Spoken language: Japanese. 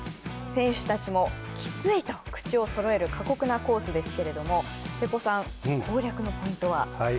選手たちもきついと口をそろえる過酷なコースですけど、瀬古さん、攻略のポイントは？